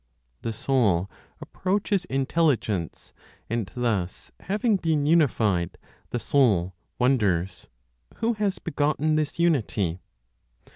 The Soul approaches Intelligence, and thus having been unified, the Soul wonders, 'Who has begotten this unity?'